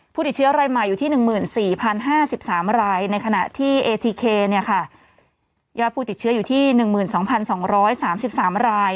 ผู้ติดเชื้อไรมายอยู่ที่๑๔๐๕๓รายในขณะที่เนี้ยค่ะยาวผู้ติดเชื้ออยู่ที่๑๒๒๓๓หน่อย